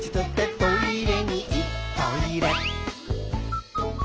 「トイレ！」